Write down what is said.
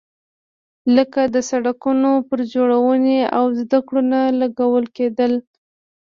لکه د سړکونو پر جوړونې او زده کړو نه لګول کېدل.